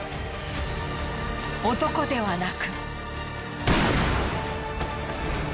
男ではなく。